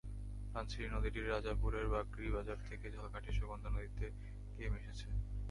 ধানসিঁড়ি নদীটি রাজাপুরের বাগড়ি বাজার থেকে ঝালকাঠির সুগন্ধা নদীতে গিয়ে মিশেছে।